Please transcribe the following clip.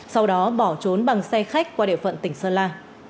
sau đó bỏ trốn bằng xe khách qua địa phận tỉnh sơn la